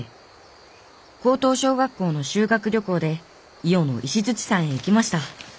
高等小学校の修学旅行で伊予の石山へ行きました。